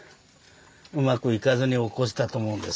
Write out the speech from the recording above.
うまくいかずに落っこちたと思うんです。